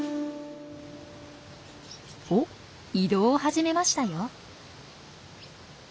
おっ移動を始めましたよ。